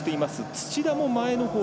土田も前のほう。